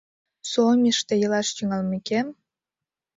— Суомиште илаш тӱҥалмекем...